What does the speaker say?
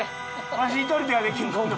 わし１人ではできんこんな。